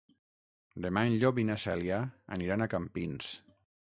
Demà en Llop i na Cèlia aniran a Campins.